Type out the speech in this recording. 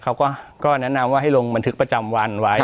เขาก็แนะนำว่าให้ลงบันทึกประจำวันไว้